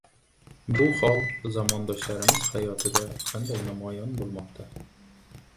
Bu hol zamondoshlarimiz hayotida qanday namoyon bo‘lmoqda.